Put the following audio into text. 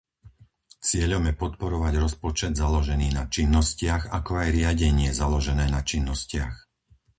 Cieľom je podporovať rozpočet založený na činnostiach ako aj riadenie založené na činnostiach.